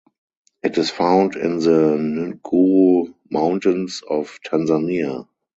It is found in the Nguru Mountains of Tanzania.